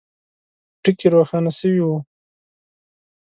ټکي روښانه سوي وه.